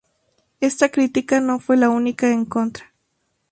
Esta crítica no fue la única en contra.